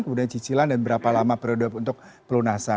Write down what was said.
kemudian cicilan dan berapa lama periode untuk pelunasan